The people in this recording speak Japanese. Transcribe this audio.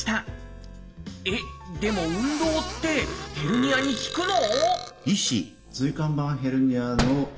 でも運動ってヘルニアに効くの？